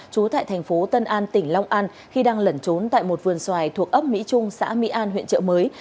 trú tại thành phố tân an tỉnh long an khi đang lẩn trốn tại một vườn xoài thuộc ấp mỹ trung xã mỹ an huyện trợ mới